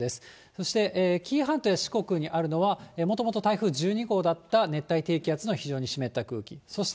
そして紀伊半島や四国にあるのは、もともと台風１２号だった熱帯低気圧の非常に湿った空気。